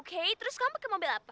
oke terus kamu pakai mobil apa